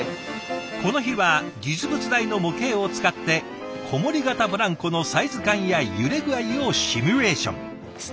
この日は実物大の模型を使ってこもり型ブランコのサイズ感や揺れ具合をシミュレーション。